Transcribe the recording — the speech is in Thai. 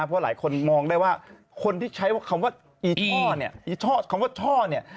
เพราะหลายคนมองได้ว่าคนที่ใช้ว่าคำว่าอีช่อเนี่ยอีช่อคำว่าช่อเนี่ย